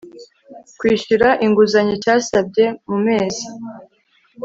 kwishyura inguzanyo cyasabye mu mezi